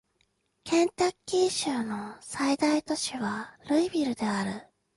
ケンタッキー州の最大都市はルイビルである